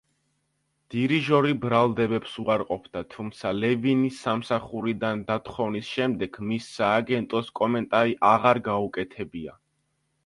დირიჟორი ბრალდებებს უარყოფდა, თუმცა ლევინის სამსახურიდან დათხოვნის შემდეგ, მის სააგენტოს კომენტარი აღარ გაუკეთებია.